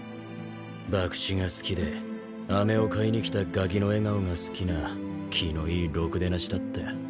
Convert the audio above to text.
ばくちが好きであめを買いに来たガキの笑顔が好きな気のいいろくでなしだったよ。